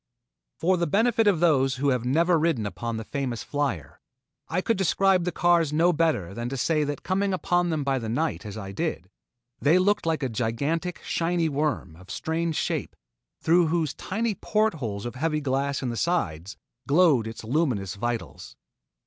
For the benefit of those who have never ridden upon the famous "Flier," I could describe the cars no better than to say that coming upon them by night as I did, they looked like a gigantic, shiny worm, of strange shape, through whose tiny port holes of heavy glass in the sides, glowed its luminous vitals.